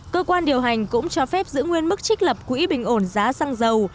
cơ quan điều hành cũng cho phép giữ nguyên mức trích lập quỹ bình ổn giá xăng dầu